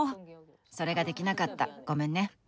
それができなかったごめんね。